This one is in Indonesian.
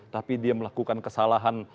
tapi dia melakukan kesalahan